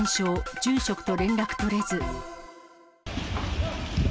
住職と連絡取れず。